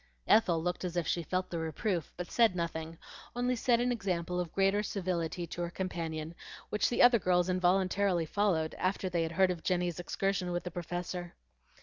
Ethel looked as if she felt the reproof, but said nothing, only set an example of greater civility to her companion, which the other girls involuntarily followed, after they had heard of Jenny's excursion with the Professor.